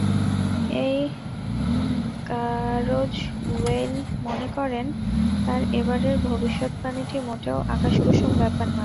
তাই কারজওয়েইল মনে করেন, তাঁর এবারের ভবিষ্যদ্বাণীটি মোটেও আকাশকুসুম ব্যাপার নয়।